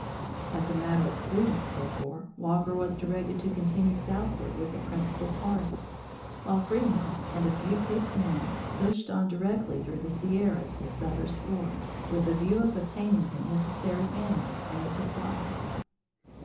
As a matter of prudence, therefore, Walker was directed to continue southward with the principal party, while Fremont and a few picked men pushed on directly through the Sierras to Sutter's Fort, with a view of obtaining the necessary animals and supplies.